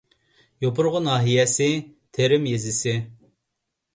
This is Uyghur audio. يوپۇرغا ناھىيەسى تېرىم يېزىسى